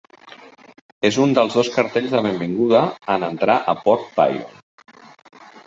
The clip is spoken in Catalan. És un dels dos cartells de benvinguda en entrar a Port Byron.